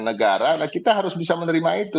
negara kita harus bisa menerima itu